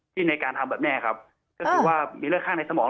ในการทำแบบแม่ครับก็คือว่ามีเลือดข้างในสมอง